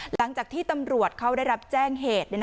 หลังจากที่ตำรวจเขาได้รับแจ้งเหตุ